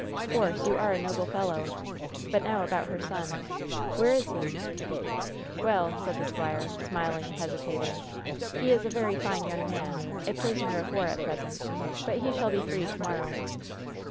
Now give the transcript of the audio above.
"Force, you are a noble fellow I But now about her son. Where is he ?" "Well," said the squire, smiling and hesitating, "he is a very fine young man, a prisoner of war at present, but he shall be free to morrow."